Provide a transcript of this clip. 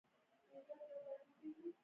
بازرسي یوه مهمه عملیه ده.